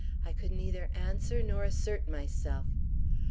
I could neither answer nor assert myself.